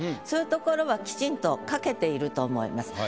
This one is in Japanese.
そういうところはきちんと書けていると思います。